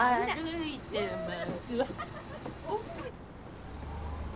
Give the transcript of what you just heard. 歩いてます。